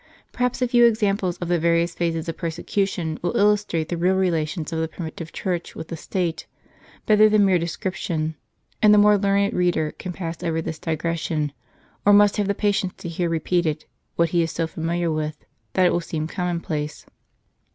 Perhaps a few examples of the various phases of persecu tion will illustrate the real relations of the primitive Church with the State, better than mere description ; and the more learned reader can pass over this digression, or must have the patience to hear repeated, what he is so familiar with, that it will seem commonplace.